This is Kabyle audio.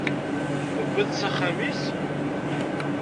Tewwiḍ-tt s axxam-is?